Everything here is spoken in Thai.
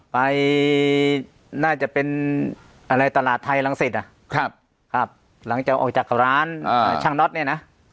น่าจะเป็นอะไรตลาดไทยรังสิตหลังจากออกจากร้านช่างน็อตเนี่ยนะ